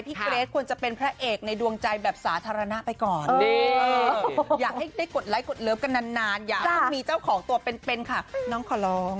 เกรทควรจะเป็นพระเอกในดวงใจแบบสาธารณะไปก่อนอยากให้ได้กดไลค์กดเลิฟกันนานอยากให้มีเจ้าของตัวเป็นค่ะน้องขอร้อง